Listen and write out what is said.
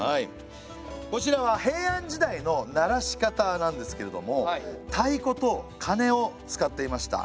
こちらは平安時代の鳴らし方なんですけれども太鼓と鐘を使っていました。